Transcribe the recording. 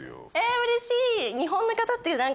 うれしい！